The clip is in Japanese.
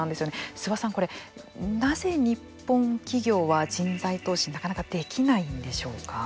諏訪さん、これ、なぜ日本企業は人材投資なかなかできないんでしょうか。